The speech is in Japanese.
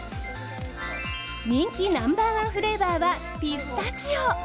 人気ナンバー１フレーバーはピスタチオ！